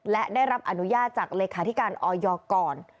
และได้รับอนุญาตจากเลขาธิการออยก่อน